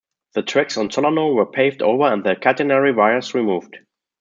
The tracks on Solano were paved over and the catenary wires removed.